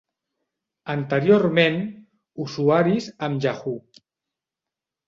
Anteriorment, usuaris amb Yahoo!